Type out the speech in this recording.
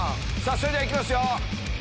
それではいきますよ！